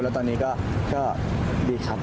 แล้วตอนนี้ก็ดีครับ